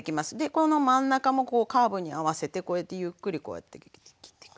この真ん中もこうカーブに合わせてこうやってゆっくりこうやって切ってく。